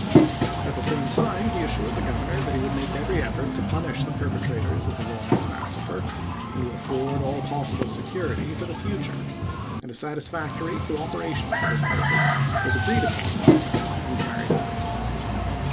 At the same time he assured the Governor that he would make every effort to punish the perpetrators of the Lawi ence massacre and to afford all possible security for the future, and a satisfactory cooperation for this pur pose was agreed upon by them and carried out.